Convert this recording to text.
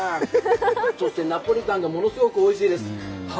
そしてナポリタンがものすごくおいしいです。